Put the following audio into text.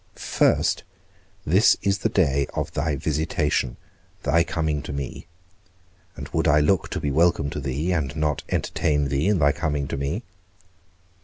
First, this is the day of thy visitation, thy coming to me; and would I look to be welcome to thee, and not entertain thee in thy coming to me?